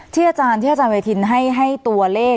ที่อาจารย์เวยทินต์ให้ตัวเลข